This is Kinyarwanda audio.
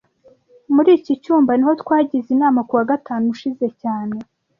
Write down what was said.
Muri iki cyumba niho twagize inama kuwa gatanu ushize cyane